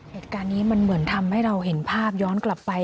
เหตุการณ์นี้มันเหมือนทำให้เราเห็นภาพย้อนกลับไป